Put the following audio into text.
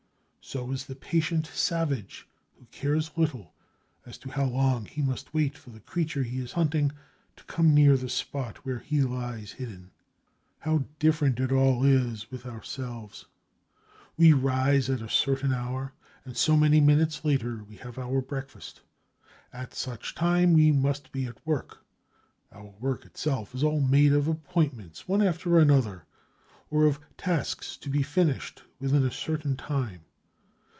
So is the patient savage, who cares little as to how long he must wait for the creature he is hunting to come near the spot where he lies hidden. How different it all is with ourselves! We rise at a certain hour, and so many minutes later we have our breakfast. At such a time, we must be at work. Our work itself is all made of appointments one after another, or of tasks to be finished within a certain time.